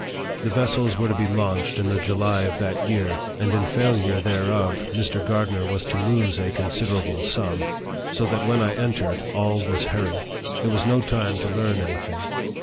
The vessels were to be launched in the July of that year, and in failure thereof, Mr. Gardner was to lose a considerable sum ; so that when I entered, all was hurry. There was no time to learn any thing.